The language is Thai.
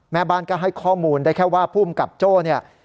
แม่บ้านก็ให้ข้อมูลได้แค่ว่าภูมิกับโจ้เนี่ย